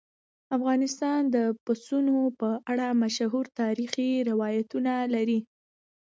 افغانستان د پسونو په اړه مشهور تاریخي روایتونه لري.